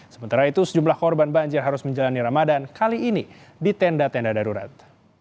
sementara itu sejumlah korban banjir harus menjalani ramadan kali ini di tenda tenda darurat